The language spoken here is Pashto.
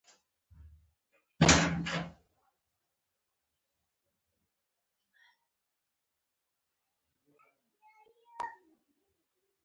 ځینې خلک د نظریې اعتبار د عملي نتایجو له مخې سنجوي.